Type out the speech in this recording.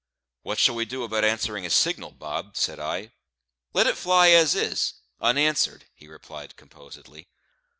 "What shall we do about answering his signal, Bob?" said I. "Let it fly as it is, unanswered," he replied composedly.